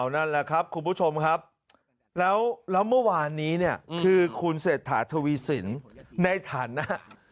นั่นแหละครับคุณผู้ชมครับแล้วเมื่อวานนี้เนี่ยคือคุณเศรษฐาทวีสินในฐานะ